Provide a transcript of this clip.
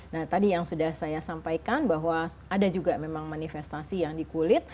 nah tadi yang sudah saya sampaikan bahwa ada juga memang manifestasi yang di kulit